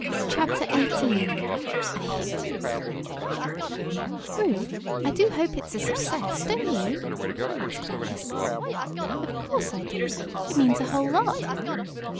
CHAPTER XVIII A HIT "Ruth, I do hope it's a success; don't you?" asked Alice. "Of course I do. It means a whole lot."